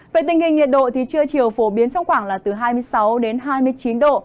về tình hình nhiệt độ thì trưa chiều phổ biến trong khoảng là từ hai mươi sáu đến hai mươi chín độ